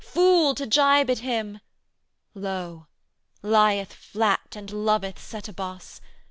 Fool to gibe at Him! Lo! 'Lieth flat and loveth Setebos!